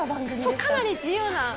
かなり自由な。